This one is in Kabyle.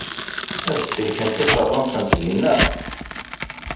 Ad sellkent iqeṛṛa-nsent dinna?